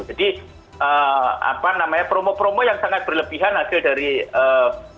jadi apa namanya promo promo yang sangat berlebihan hasil dari bakar duit itu sudah lewat matanya mbak